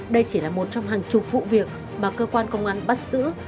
đây chỉ là một trong hàng chục vụ việc mà cơ quan công an bắt giữ